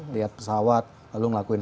lihat pesawat lalu ngelakuin